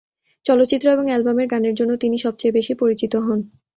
চলচ্চিত্র এবং অ্যালবামের গানের জন্য তিনি সবচেয়ে বেশি পরিচিত হন।